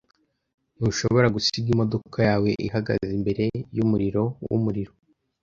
Ntushobora gusiga imodoka yawe ihagaze imbere yumuriro wumuriro.